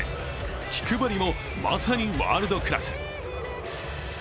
気配りも、まさにワールドクラス。